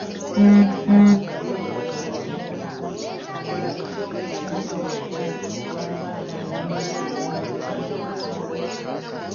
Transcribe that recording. Newankubadde nga musoowaganye ne munno, si kirungi kutandika kuwaanyisiganya bigambo bisongovu.